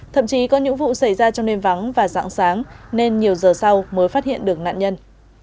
thậm chí có những vụ xảy ra trong đêm vắng và dạng sáng nên nhiều giờ sau mới phát hiện được nạn nhân